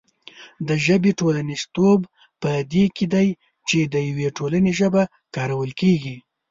د ژبې ټولنیزتوب په دې کې دی چې د یوې ټولنې ژبه کارول کېږي.